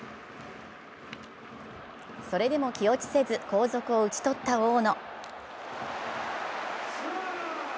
それでも気落ちせず、後続を打ち取った大野。